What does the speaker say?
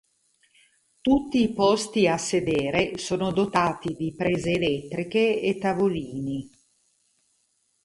Tutti i posti a sedere sono dotati di prese elettriche e tavolini.